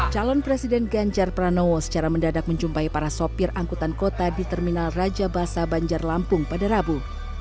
calon presiden ganjar pranowo secara mendadak menjumpai para sopir angkutan kota di terminal raja basa banjar lampung pada rabu